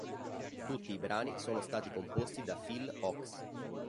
Tutti i brani sono stati composti da Phil Ochs.